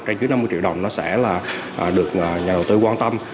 cái dưới năm mươi triệu đồng nó sẽ là được nhà đầu tư quan tâm